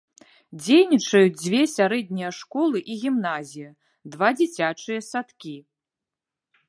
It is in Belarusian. Дзейнічаюць дзве сярэднія школы і гімназія, два дзіцячыя садкі.